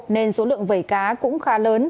nên số lượng vẩy cá cũng khá lớn